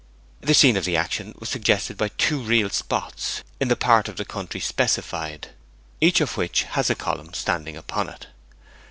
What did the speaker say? The scene of the action was suggested by two real spots in the part of the country specified, each of which has a column standing upon it.